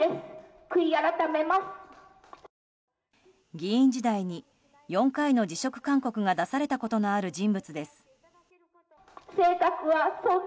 議員時代に、４回の辞職勧告が出されたことがある人物です。